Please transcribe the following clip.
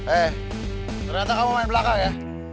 eh ternyata kamu main belakang ya